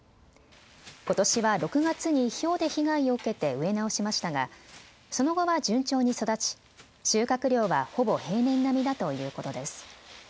ことしは６月にひょうで被害を受けて植え直しましたが、その後は順調に育ち収穫量はほぼ平年並みだということです。